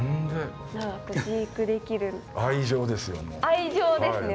愛情ですね。